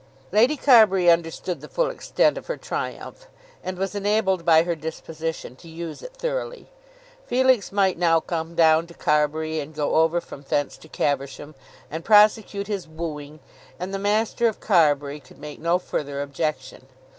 Lady Carbury understood the full extent of her triumph, and was enabled by her disposition to use it thoroughly. Felix might now come down to Carbury, and go over from thence to Caversham, and prosecute his wooing, and the master of Carbury could make no further objection.